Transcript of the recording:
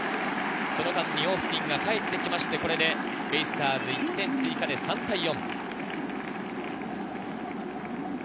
その間にオースティンがかえってきてベイスターズ１点追加で４対３。